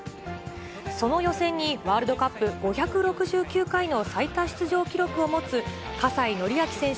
その予選に、ワールドカップ５６９回の最多出場記録を持つ葛西紀明選手